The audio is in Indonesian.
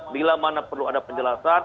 bila mana perlu ada penjelasan